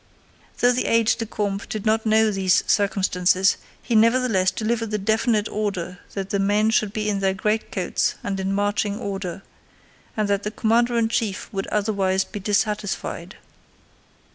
Though the aide de camp did not know these circumstances, he nevertheless delivered the definite order that the men should be in their greatcoats and in marching order, and that the commander in chief would otherwise be dissatisfied.